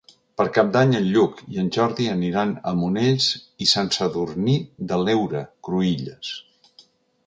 Per Cap d'Any en Lluc i en Jordi aniran a Monells i Sant Sadurní de l'Heura Cruïlles.